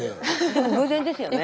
でも偶然ですよね。